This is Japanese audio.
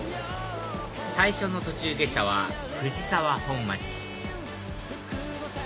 最初の途中下車は藤沢本町